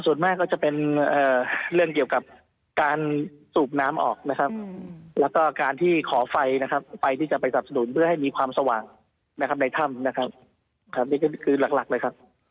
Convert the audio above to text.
ส่วนมากก็จะเป็นเรื่องเกี่ยวกับการสูบน้ำออกนะครับแล้วก็การที่ขอไฟนะครับไฟที่จะไปสับสนุนเพื่อให้มีความสว่างนะครับในถ้ำนะครับนี่ก็คือหลักเลยครับ